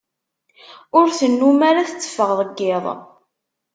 Ur tennum ara tetteffeɣ deg iḍ.